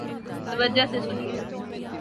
توجہ سے سنیئے